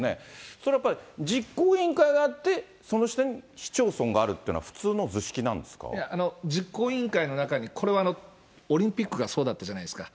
それはやっぱり実行委員会があって、その下に市町村があるってい実行委員会の中に、これはオリンピックがそうだったじゃないですか。